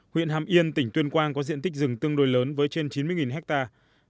huyện hàm yên tỉnh tuyên quang có diện tích rừng tương đối lớn với trên chín mươi hectare